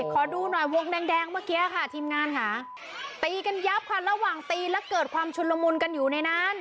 ขอดูหน่อยวงแดงแดงเมื่อกี้ค่ะทีมงานค่ะตีกันยับค่ะระหว่างตีและเกิดความชุนละมุนกันอยู่ในนั้น